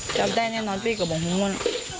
จับได้แน่นอนพี่กับผมของมัน